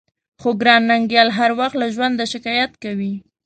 خو ګران ننګيال هر وخت له ژونده شکايت کوي.